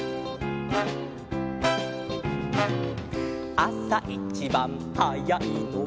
「あさいちばんはやいのは」